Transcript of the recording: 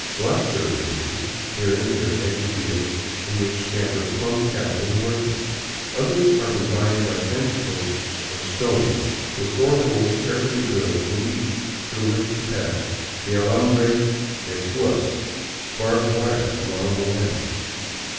Blackberry bushes here and there edge a field in which scamper plump cattle and horses; others are confined by fence posts of stone with four holes carefully drilled in each through which to pass the alamhre de puas, — barbed wire from our own land.